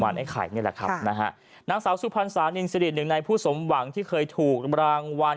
นางสาวสุพรรณศานินสิริหนึ่งในผู้สมหวังที่เคยถูกรางวัล